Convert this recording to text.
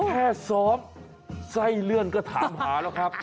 แค่ซ้อมไส้เลื่อนก็ถามหาแล้วครับ